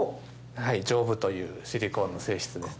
丈夫というシリコーンの性質です。